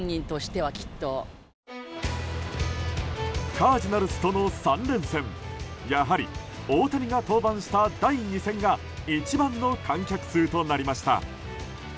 カージナルスとの３連戦やはり大谷が登板した第２戦が一番の観客数となりました。